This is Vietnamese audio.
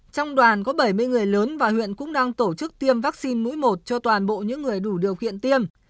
trong đoàn có bảy mươi người lớn và huyện cũng đang tổ chức tiêm vaccine mũi một cho toàn bộ những người đủ điều kiện tiêm